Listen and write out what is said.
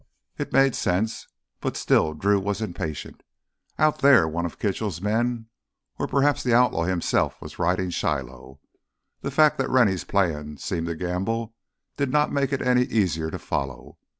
It made sense, but still Drew was impatient. Out there one of Kitchell's men, or perhaps the outlaw himself, was riding Shiloh. The fact that Rennie's plan seemed a gamble did not make it any easier to follow.